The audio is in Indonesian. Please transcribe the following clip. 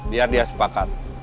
biar dia sepakat